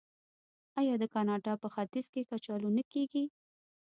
آیا د کاناډا په ختیځ کې کچالو نه کیږي؟